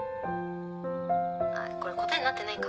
これ答えになってないか。